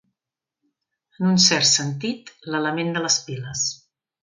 En un cert sentit, l'element de les piles.